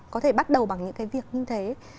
có thể bắt đầu bằng những cái việc như thế